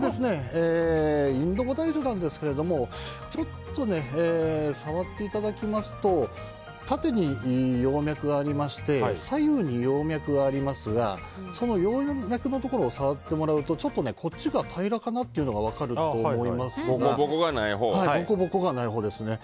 インドボダイジュなんですけどもちょっと触っていただきますと縦に葉脈がありまして左右に葉脈がありますがその葉脈のところを触ってもらうとちょっとこっちが平らかなというのが分かると思いますがボコボコがないほうですね。